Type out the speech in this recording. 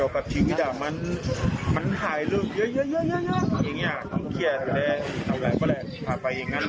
ครับ